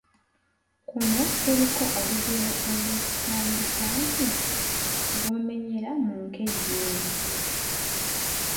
Kuno kuliko olugero olutandika nti : Gw'omenyera mu nkejje,………